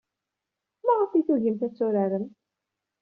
Maɣef ay tugimt ad turaremt?